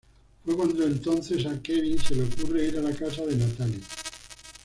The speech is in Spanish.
Fue cuando entonces a Kevin se le ocurre ir a la casa de Natalie.